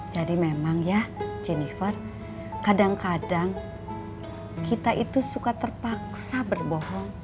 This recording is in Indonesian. jadi memang ya jennifer kadang kadang kita itu suka terpaksa berbohong